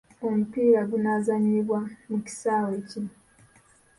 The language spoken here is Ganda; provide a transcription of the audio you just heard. Omupiira gunaazanyibwa mu kisaawe ki?